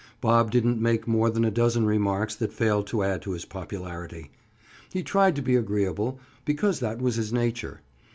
Bob didn't make more than a dozen remarks that failed to add to his popularity. He tried to be agreeable, because that was his nature.